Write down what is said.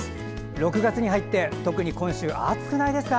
６月に入って特に今週、暑くないですか。